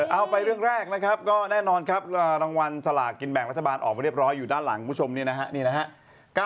เอาไปเรื่องแรกนะครับรางวัลสลากเก็บแบ่งรัฐบาลออกมาเรียบร้อยอยู่ด้านหลังคุณผู้ชมนี่นะฮะ